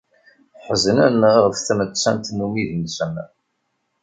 Ḥeznen ɣef tmettant n umidi-nsen.